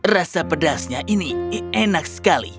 rasa pedasnya ini enak sekali